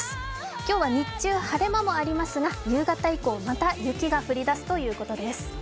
今日は日中、晴れ間もありますが夕方以降また雪が降りだすということです。